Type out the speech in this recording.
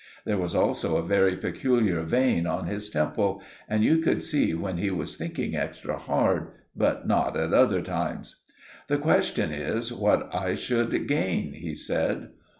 There was also a very peculiar vein on his temple you could see when he was thinking extra hard, but not at other times. "The question is what I should gain," he said.